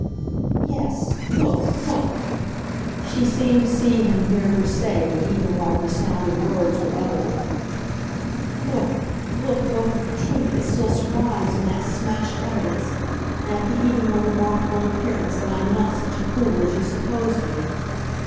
"Yes, look, look," she seemed to see him hear her say even while her sounded words were other "look, look, both at the truth that still survives in that smashed evidence and at the even more remarkable appearance that I'm not such a fool as you supposed me.